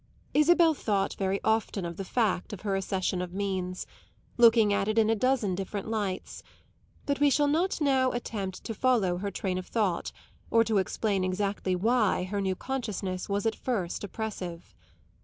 Isabel thought very often of the fact of her accession of means, looking at it in a dozen different lights; but we shall not now attempt to follow her train of thought or to explain exactly why her new consciousness was at first oppressive.